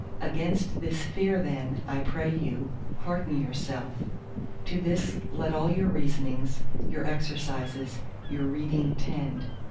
Against this fear then, I pray you, harden yourself; to this let all your reasonings, your exercises, your reading tend.